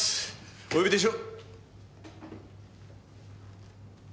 お呼びでしょう。